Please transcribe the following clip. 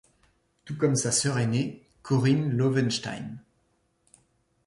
Tout comme sa sœur aînée, Corinne Lowenstein.